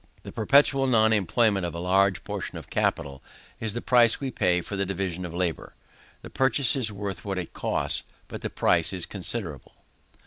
This perpetual non employment of a large proportion of capital, is the price we pay for the division of labour. The purchase is worth what it costs; but the price is considerable.